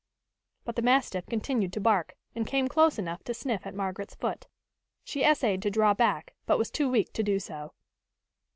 But the mastiff continued to bark, and came close enough to sniff at Margaret's foot. She essayed to draw back, but was too weak to do so.